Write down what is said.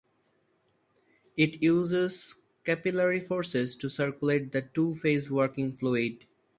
It uses capillary forces to circulate the two-phase working fluid.